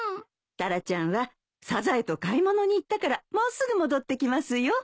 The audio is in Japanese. タラちゃんはサザエと買い物に行ったからもうすぐ戻ってきますよ。